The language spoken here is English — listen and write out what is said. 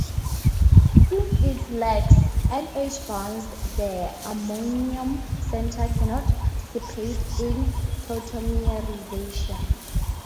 Since it lacks N-H bonds, the ammonium center cannot participate in tautomerization.